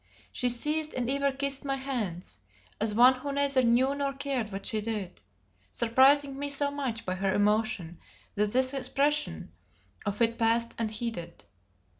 She seized and even kissed my hands, as one who neither knew nor cared what she did, surprising me so much by her emotion that this expression of it passed unheeded.